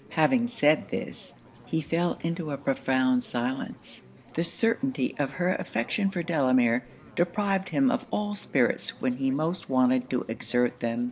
Having said this, he fell into a profound silence. The certainty of her affection for Delamere, deprived him of all spirits when he most wanted to exert them.